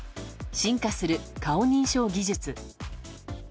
進化する顔認証技術。